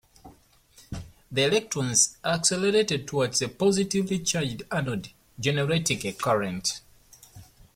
The electrons are accelerated towards a positively charged anode, generating a current.